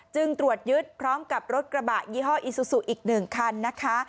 จึงตรวจยึดพร้อมกับรถกระบะยี่ห้ออีซูซูอีก๑คันนะคะ